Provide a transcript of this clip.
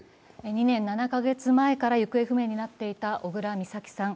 ２年７カ月前から行方不明になっていた小倉美咲さん。